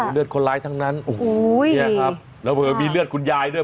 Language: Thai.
เลือดคนร้ายทั้งนั้นแล้วมีเลือดคุณยายด้วย